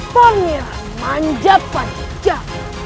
pemirsa manja panjang